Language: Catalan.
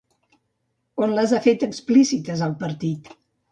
On les ha fet explícites el partit?